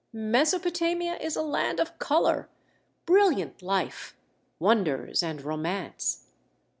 Mesopotamia is a land of color, brilliant life, wonders and romance.